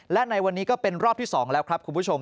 และในวันนี้ก็เป็นรอบที่๒แล้วครับคุณผู้ชม